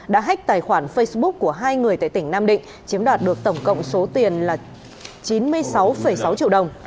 đã hách tài khoản facebook của hai người tại tỉnh nam định chiếm đoạt được tổng cộng số tiền là chín mươi sáu sáu triệu đồng